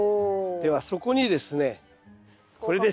ではそこにですねこれです。